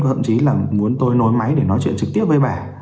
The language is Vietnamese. thậm chí là muốn tôi nối máy để nói chuyện trực tiếp với bà